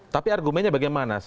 tapi argumennya bagaimana